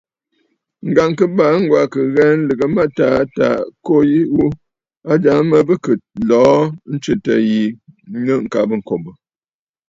Ŋ̀gàŋkɨbàa Ŋgwa kɨ ghə̀ə lɨ̀gə mâtaa tâ à kwo ghu, a ajàŋə bɨ kɨ̀ lɔ̀ɔ̂ ǹtswètə̂ yi nɨ̂ ŋ̀kabə̀ ŋ̀kòbə̀.